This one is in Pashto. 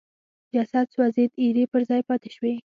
جسد سوځېد ایرې پر ځای پاتې شوې.